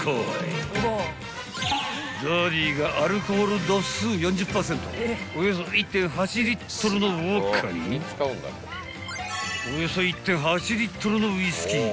［ダディがアルコール度数４０％およそ１．８リットルのウォッカにおよそ１．８リットルのウィスキー］